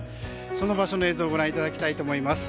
その場所の映像をご覧いただきます。